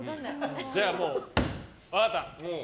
じゃあもう、分かった。